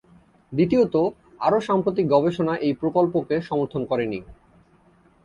দ্বিতীয়ত, আরও সাম্প্রতিক গবেষণা এই প্রকল্পকে সমর্থন করেনি।